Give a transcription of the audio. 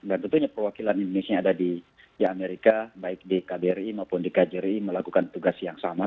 dan tentunya perwakilan indonesia yang ada di amerika baik di kbri maupun di kjri melakukan tugas yang sama